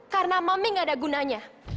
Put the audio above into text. karena mami nggak ada gunanya